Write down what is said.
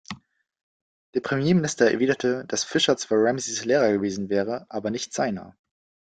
Der Premierminister erwiderte, dass Fisher zwar Ramseys Lehrer gewesen wäre, aber nicht seiner.